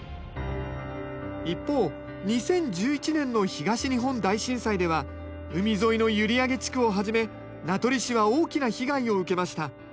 一方２０１１年の東日本大震災では海沿いの閖上地区をはじめ名取市は大きな被害を受けました。